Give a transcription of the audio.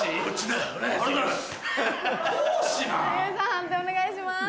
判定お願いします。